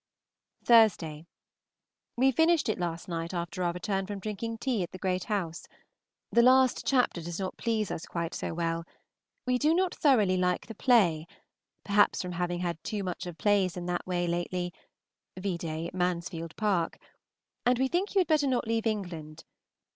Thursday. We finished it last night after our return from drinking tea at the Great House. The last chapter does not please us quite so well; we do not thoroughly like the play, perhaps from having had too much of plays in that way lately (vide "Mansfield Park"), and we think you had better not leave England.